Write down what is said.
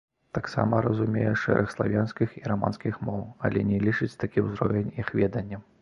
Таксама разумее шэраг славянскіх і раманскіх моў, але не лічыць такі ўзровень іх веданнем.